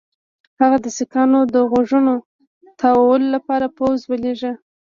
هغه د سیکهانو د غوږونو تاوولو لپاره پوځ ولېږه.